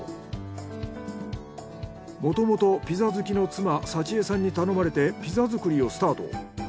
もともとピザ好きの妻幸枝さんに頼まれてピザ作りをスタート。